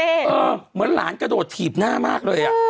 เหมือนหลานกระโดดถีบหน้ามากเลยอ่ะ